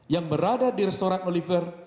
yang berada di restoran oliver